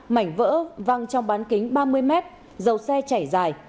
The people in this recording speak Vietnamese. mảnh vỡ văng trong bán kính ba mươi m dầu xe chảy dài